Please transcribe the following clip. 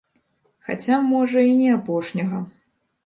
Хаця, можа, і не апошняга.